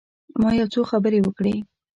ما یو څو خبرې وکړې.